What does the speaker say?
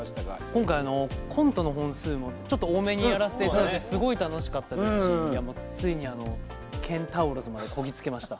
今回コントの本数もちょっと多めにやらせていただいてすごい楽しかったですしついにケンタウロスまでこぎ着けました。